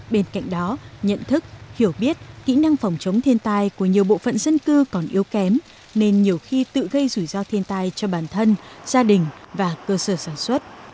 bên cạnh đó nhận thức hiểu biết kỹ năng phòng chống thiên tai của nhiều bộ phận dân cư còn yếu kém nên nhiều khi tự gây rủi ro thiên tai cho bản thân gia đình và cơ sở sản xuất